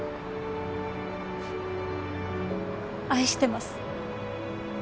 愛してます。